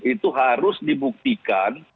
itu harus dibuktikan